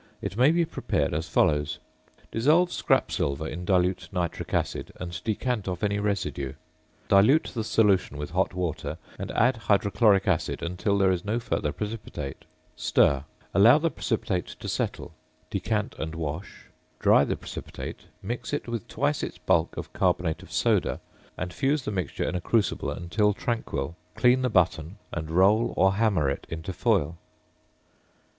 It may be prepared as follows: Dissolve scrap silver in dilute nitric acid and decant off from any residue; dilute the solution with hot water and add hydrochloric acid until there is no further precipitate, stir; allow the precipitate to settle; decant and wash; dry the precipitate, mix it with twice its bulk of carbonate of soda and fuse the mixture in a crucible until tranquil; clean the button and roll or hammer it into foil.